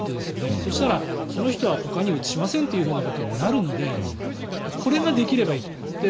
そしたら、その人はほかにうつしませんということになるのでこれができればいいと。